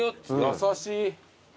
優しい。